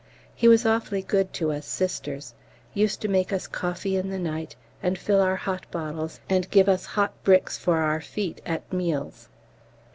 He was awfully good to us Sisters used to make us coffee in the night, and fill our hot bottles and give us hot bricks for our feet at meals.